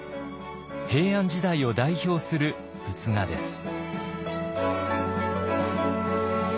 平安時代を代表する仏画です。